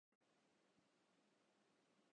Asia cup کیلئے سری لنکا کی team میں ملنگا کی واپسی